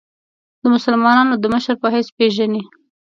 د مسلمانانو د مشر په حیث پېژني.